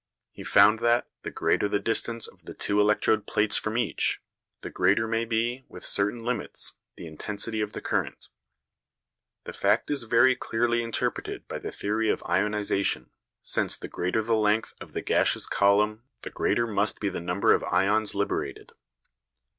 He found that, the greater the distance of the two electrode plates from each, the greater may be, within certain limits, the intensity of the current. The fact is very clearly interpreted by the theory of ionisation, since the greater the length of the gaseous column the greater must be the number of ions liberated.